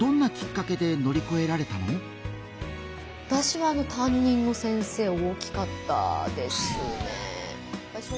私は担任の先生大きかったですね。